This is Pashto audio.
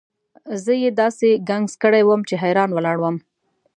زه یې داسې ګنګس کړی وم چې حیران ولاړ وم.